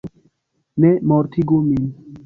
Ne mortigu min!